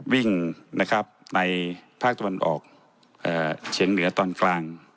วิ่งในภาคตะวันออกเชียงเหนือตอนกลาง